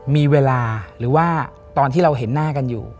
มีเวลาหรือว่าตอนที่เราเห็นหน้ากันอยู่